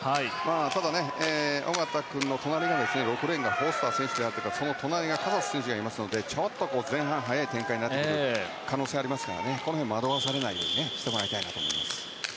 ただね、小方君の隣の６レーンがフォスター選手であってその隣にはカサス選手がいますしちょっと、前半は速い展開になってくる可能性がありますからね惑わされないようにしてもらいたいなと思います。